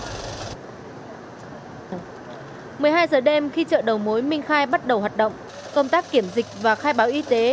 một mươi hai giờ đêm khi chợ đầu mối minh khai bắt đầu hoạt động công tác kiểm dịch và khai báo y tế